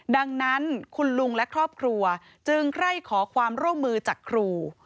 ดังนั้นคุณลุงและครอบครัวจึงใครขอความร่วมมือจากครู